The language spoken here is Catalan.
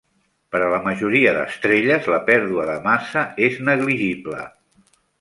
Per a la majoria d'estrelles, la pèrdua de massa és negligible.